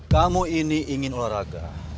kamu ini ingin olahraga